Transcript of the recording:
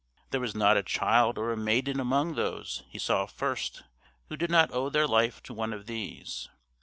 There was not a child or a maiden among those he saw first who did not owe their life to one of these.